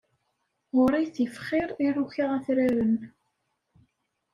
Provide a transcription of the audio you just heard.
Ɣur-i tif xir iruka atraren.